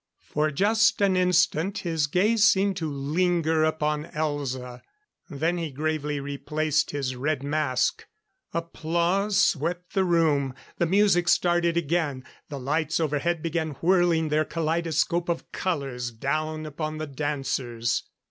For just an instant his gaze seemed to linger upon Elza; then he gravely replaced his red mask. Applause swept the room; the music started again. The lights overhead began whirling their kaleidoscope of colors down upon the dancers.